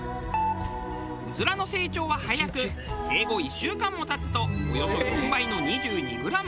うずらの成長は早く生後１週間も経つとおよそ４倍の２２グラム。